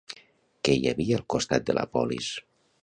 Què hi havia al costat de la polis?